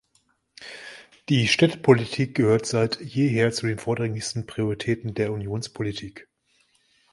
Die Städtepolitik gehört seit jeher zu den vordringlichsten Prioritäten der Unionspolitik.